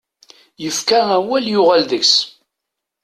Yefka awal, yuɣal deg-s.